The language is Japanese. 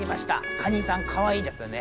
カニさんかわいいですね。